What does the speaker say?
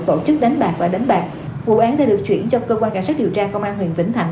tổ chức đánh bạc và đánh bạc vụ án đã được chuyển cho cơ quan cảnh sát điều tra công an huyện vĩnh thạnh